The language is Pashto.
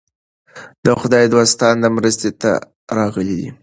د خدای دوستان مرستې ته راغلي دي.